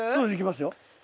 できますよ。